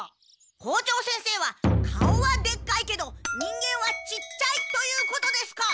校長先生は顔はでっかいけど人間はちっちゃいということですか！？